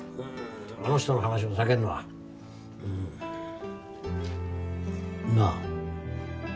あの人の話を避けるのは。なあ。